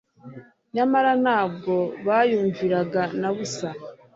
nyamara ntabwo bayumviraga na busa.